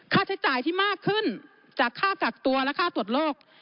ค่าใช้จ่ายที่มากขึ้นจากค่ากักตัวและค่าตรวจโรค